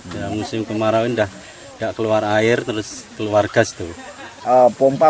dan musim kemarau ini udah nggak keluar air terus keluar gas tuh